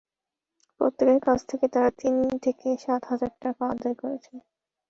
প্রত্যেকের কাছ থেকে তাঁরা তিন থেকে সাত হাজার টাকা আদায় করেছেন।